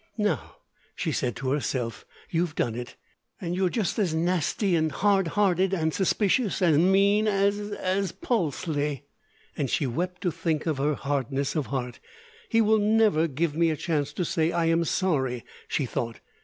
"Now," she said to herself, "you've done it! And you're just as nasty and hard hearted and suspicious and mean as as pusley!" And she wept to think of her hardness of heart. "He will never give me a chance to say 'I am sorry,'" she thought.